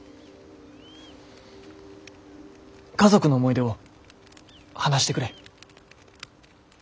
家族の思い出を話してくれ。